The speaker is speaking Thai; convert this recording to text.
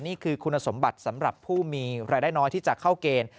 นี่คือคุณสมบัติสำหรับผู้มีรายได้น้อยที่จะเข้าเกณฑ์